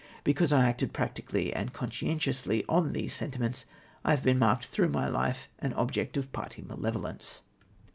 Because I acted practically and conscientiously on these sentiments, I have been marked through life an obj'ect of party malevolence.